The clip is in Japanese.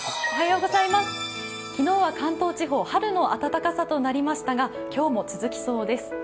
昨日は関東地方、春の暖かさとなりましたが今日も続きます。